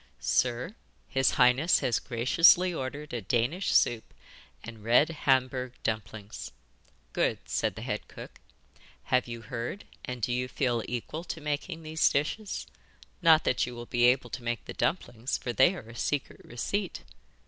'Sir, his highness has graciously ordered a Danish soup and red Hamburg dumplings.' 'Good,' said the head cook. 'Have you heard, and do you feel equal to making these dishes? Not that you will be able to make the dumplings, for they are a secret receipt.